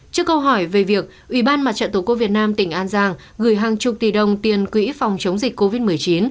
trước câu hỏi về việc ủy ban mặt trận tổ quốc việt nam tỉnh an giang gửi hàng chục tỷ đồng tiền quỹ phòng chống dịch covid một mươi chín